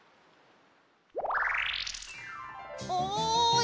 おい！